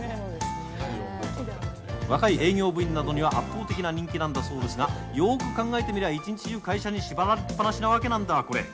若い営業部員などには圧倒的な人気なんだそうですが、よーく考えてみりゃ一日中、会社に縛られっぱなしなわけなんだ、これ。